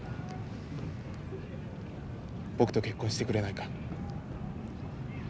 僕と結婚してくれないか。